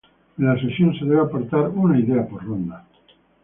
En la sesión se debe aportar una idea por ronda.